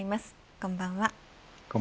こんばんは。